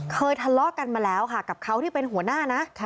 ทะเลาะกันมาแล้วค่ะกับเขาที่เป็นหัวหน้านะ